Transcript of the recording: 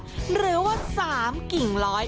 หรือว่า๓กิ่งร้อย